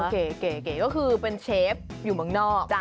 เก๋ก็คือเป็นเชฟอยู่เมืองนอก